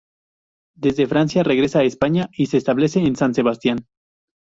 Desde Francia regresa a España y se establece en San Sebastián.